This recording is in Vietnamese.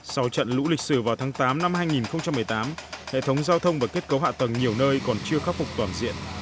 sau trận lũ lịch sử vào tháng tám năm hai nghìn một mươi tám hệ thống giao thông và kết cấu hạ tầng nhiều nơi còn chưa khắc phục toàn diện